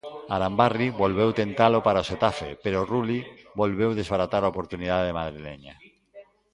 Arambarri volveu tentalo para o Xetafe, pero Rulli volveu desbaratar a oportunidade madrileña.